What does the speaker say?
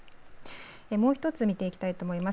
もう一つ見ていきたいと思います。